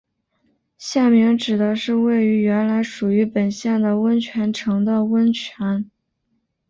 县名指的是位于原来属于本县的温泉城的温泉。